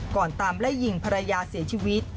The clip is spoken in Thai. ก่อนตามไล่ยิงภรรยาเสียชีวิต